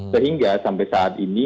sehingga sampai saat ini